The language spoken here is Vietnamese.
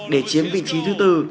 để chiếm vị trí thứ bốn